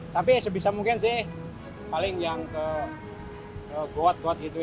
tapi sebisa mungkin sih paling yang kuat kuat gitu